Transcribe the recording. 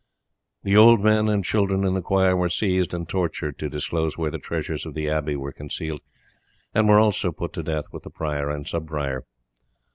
The old men and children in the choir were seized and tortured to disclose where the treasures of the abbey were concealed, and were also put to death with the prior and sub prior.